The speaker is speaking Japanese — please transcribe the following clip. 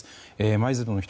舞鶴の人